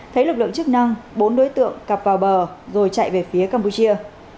thấy lực lượng chức năng bốn đối tượng cặp vào bờ rồi chạy về phía campuchia